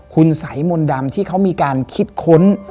คุณสายมนต์ดำที่เขามีการคิดค้น